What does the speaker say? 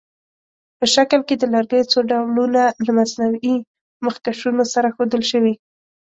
په شکل کې د لرګیو څو ډولونه له مصنوعي مخکشونو سره ښودل شوي.